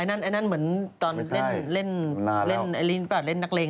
อันนั้นเหมือนตอนเล่นนักเลง